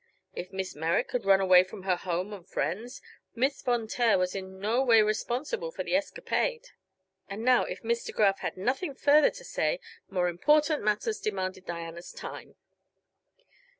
If Miss Merrick had run away from her home and friends, Miss Von Taer was in no way responsible for the escapade. And now, if Miss De Graf had nothing further to say, more important matters demanded Diana's time.